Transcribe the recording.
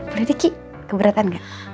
boleh deh kiki keberatan gak